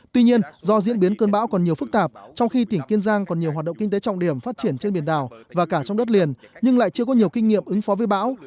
tuy nhiên do diễn biến cơn bão còn nhiều phức tạp trong khi tỉnh kiên giang còn nhiều hoạt động kinh tế trọng điểm phát triển trên biển đảo và cả trong đất liền nhưng lại chưa có nhiều kinh nghiệm ứng phó với bão